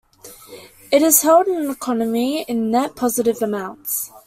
It is held in an economy in net positive amounts.